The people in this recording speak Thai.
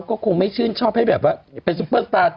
คงไม่ชื่นชอบให้เป็นซุปเปอร์สตาร์